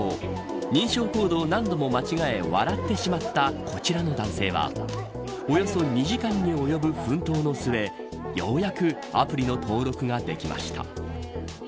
認証コードを何度も間違え笑ってしまったこちらの男性はおよそ２時間に及ぶ奮闘の末ようやくアプリの登録ができました。